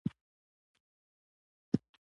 نو هغه کله داسې پوښتنه کوي؟؟